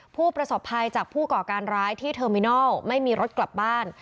ผู้ประสบภัยจากผู้ก่อการร้ายที่เทอร์มินอลไม่มีรถกลับบ้าน